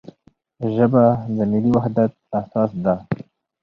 ژبه د ملي وحدت اساس ده.